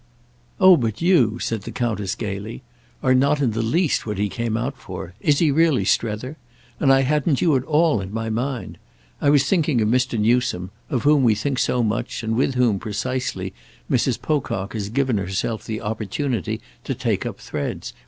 "Oh but you," said the Countess gaily, "are not in the least what he came out for—is he really, Strether? and I hadn't you at all in my mind. I was thinking of Mr. Newsome, of whom we think so much and with whom, precisely, Mrs. Pocock has given herself the opportunity to take up threads.